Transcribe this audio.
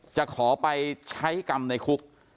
จะขอไปใช้กรรมในคุก